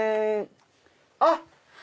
あっ！